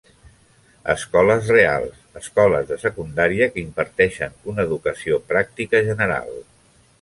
Escoles reals, escoles de secundària que imparteixen una educació pràctica general.